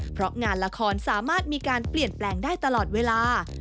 เพราะงานละครสามารถมีการเปลี่ยนแปลงได้ตลอดเวลา